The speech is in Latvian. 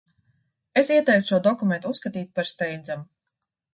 Es ieteiktu šo dokumentu uzskatīt par steidzamu.